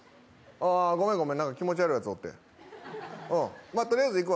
ああ、ごめんごめん、気持ち悪いやつおるわ。